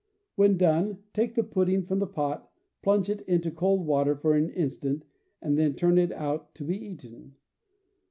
When done take the pudding from the pot, plunge it into cold water for an instant, and then turn it out to be eaten.